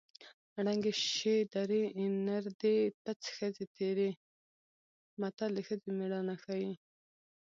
ړنګې شې درې نر دې پڅ ښځې تېرې متل د ښځو مېړانه ښيي